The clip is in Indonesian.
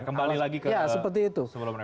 kembali lagi ke sebelumnya pak